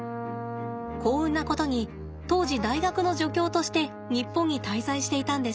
幸運なことに当時大学の助教として日本に滞在していたんです。